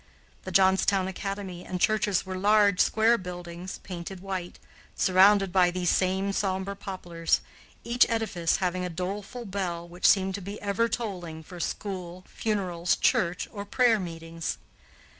The Johnstown academy and churches were large square buildings, painted white, surrounded by these same sombre poplars, each edifice having a doleful bell which seemed to be ever tolling for school, funerals, church, or prayer meetings.